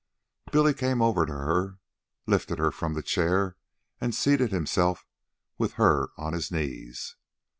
Billy came over to her, lifted her from the chair, and seated himself with her on his knees.